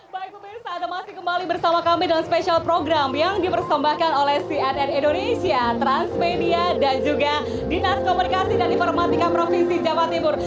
baik pemirsa ada masih kembali bersama kami dalam spesial program yang dipersembahkan oleh cnn indonesia transmedia dan juga dinas komunikasi dan informatika provinsi jawa timur